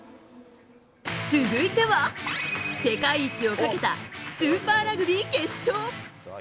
続いては、世界一をかけたスーパーラグビー決勝。